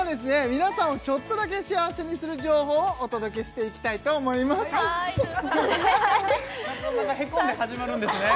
皆さんをちょっとだけ幸せにする情報をお届けしていきたいと思いますクソッヘコんで始まるんですね